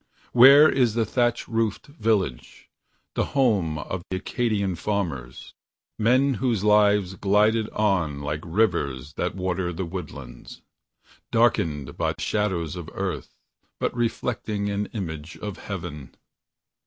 Where is the thatch roofed village, the home of Acadian farmers Men whose lives glided on like rivers that water the woodlands, Darkened by shadows of earth, but reflecting an image of heaven?